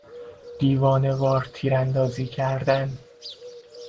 دیوانهوار تیراندازی کردن